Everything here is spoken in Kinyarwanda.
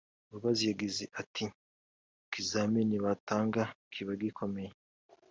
Mbabazi yagize ati ”Ikizamini batanga kiba gikomeye